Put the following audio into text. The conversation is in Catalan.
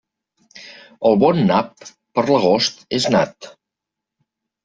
El bon nap, per l'agost és nat.